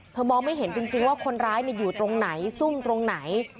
มองไม่เห็นจริงว่าคนร้ายอยู่ตรงไหนซุ่มตรงไหน